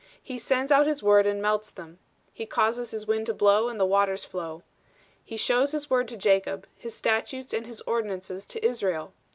He sendeth out his word, and melteth them: he causeth his wind to blow, and the waters flow. He showeth his word unto Jacob, his statutes and his ordinances unto Israel.